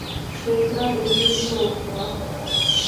چھیکڑا انٹرویو وہا